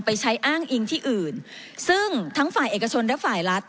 ไปใช้อ้างอิงที่อื่นซึ่งทั้งฝ่ายเอกชนและฝ่ายรัฐ